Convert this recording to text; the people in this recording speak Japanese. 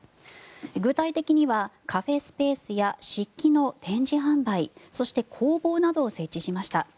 具体的には、カフェスペースや漆器の展示販売そして工房などを設置しました。